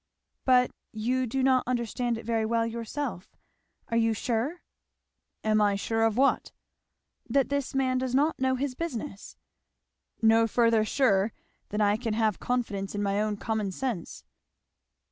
"But you do not understand it very well yourself. Are you sure?" "Am I sure of what?" "That this man does not know his business?" "No further sure than I can have confidence in my own common sense."